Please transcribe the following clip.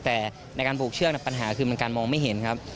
แต่ในการผูกเชือกปัญหาคือมันการมองไม่เห็นครับ